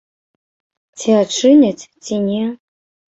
Ці адчыняць, ці не?